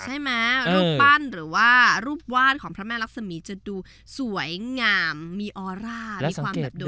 ใช่ไหมรูปปั้นหรือว่ารูปวาดของพระแม่ลักษมีศจะดูสวยงามมีออร่า